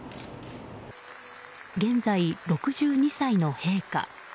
現在、６２歳の陛下。